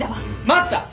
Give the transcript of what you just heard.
待った！